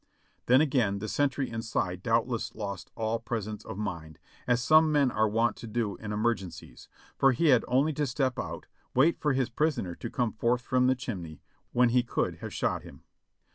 Then again the sentry inside doubtless lost all presence of mind, as some men are wont to do in emergencies, for he had only to step out, wait for his prisoner to come forth from the chimney, when he could have shot him.